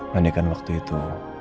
menyekan waktu itu